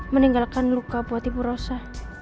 meninggalkan luka buat ibu rosa